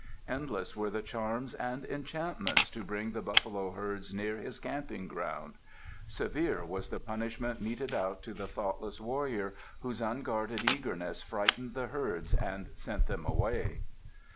Endless were the charms and enchantments to bring the buffalo herds near his camping ground. Severe was the punishment meted out to the thoughtless warrior whose unguarded eagerness frightened the herds and sent them away.